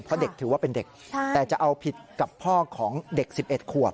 เพราะเด็กถือว่าเป็นเด็กแต่จะเอาผิดกับพ่อของเด็ก๑๑ขวบ